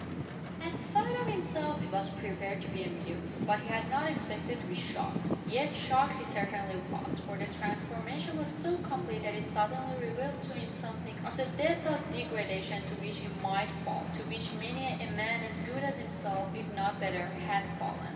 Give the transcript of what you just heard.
At sight of himself he was prepared to be amused, but he had not expected to be shocked! Yet shocked he certainly was, for the transformation was so complete that it suddenly revealed to him something of the depth of degradation to which he might fall to which many a man as good as himself, if not better, had fallen.